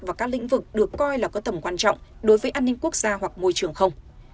và các lĩnh vực được coi là có tầm quan trọng đối với an ninh quốc gia hoặc môi trường không